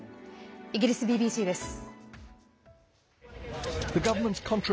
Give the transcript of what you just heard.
イギリスＢＢＣです。